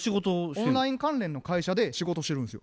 オンライン関連の会社で仕事してるんですよ。